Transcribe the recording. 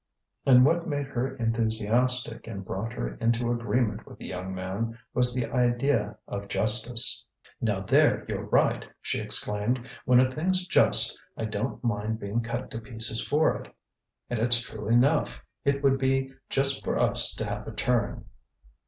And what made her enthusiastic and brought her into agreement with the young man was the idea of justice. "Now, there you're right!" she exclaimed. "When a thing's just I don't mind being cut to pieces for it. And it's true enough! it would be just for us to have a turn."